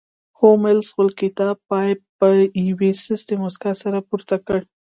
هولمز خپل پایپ د یوې سستې موسکا سره پورته کړ